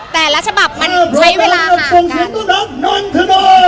แต่ละฉบับมันใช้เวลาค่ะ